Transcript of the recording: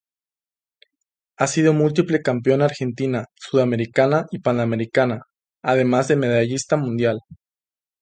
Ha sido múltiple campeona argentina, sudamericana y panamericana, además de medallista Mundial.